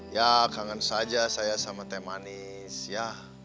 ya kangen saja saya sama teh manis ya